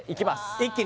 一気に？